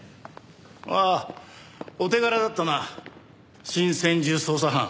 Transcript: ああお手柄だったな新専従捜査班。